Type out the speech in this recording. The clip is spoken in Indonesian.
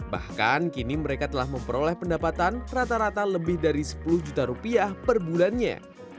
bahkan kini mereka telah memperoleh pendapatan rata rata lebih dari sepuluh juta rupiah per bulannya